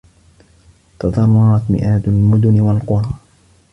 تضررت مئات المدن والقرى.